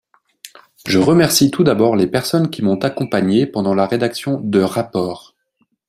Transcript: Je remercie tout d’abord les personnes qui m’ont accompagnée pendant la rédaction de rapport.